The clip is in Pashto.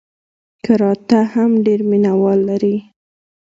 کراته هم ډېر مینه وال لري.